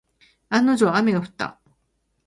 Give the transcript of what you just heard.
案の定、雨が降った。